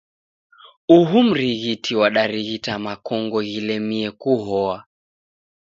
Uhu mrighiti wadarighita makongo ghilemie kuhoa.